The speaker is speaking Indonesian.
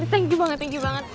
thank you banget thank you banget